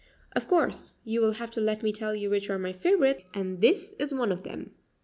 Of course you will have to let me tell you which are my favorites, and this is one of them.